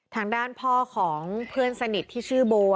ทางด้านพ่อของเพื่อนสนิทที่ชื่อโบ